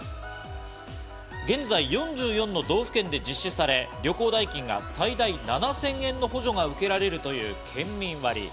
現在４４の道府県で実施され、旅行代金が最大７０００円の補助が受けられるという県民割。